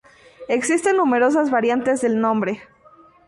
Existen numerosas variantes del nombre.